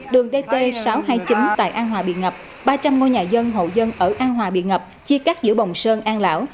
đường dt sáu trăm hai mươi chín tại an hòa bị ngập ba trăm linh ngôi nhà dân hậu dân ở an hòa bị ngập chia cắt giữa bồng sơn an lão